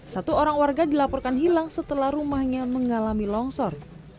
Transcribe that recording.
satu orang warga dilaporkan hilang setelah rumahnya mengalami longsor